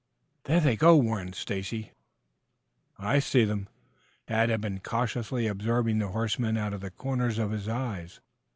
"There they go," warned Stacy. "I see them." Tad had been cautiously observing the horsemen out of the corners of his eyes.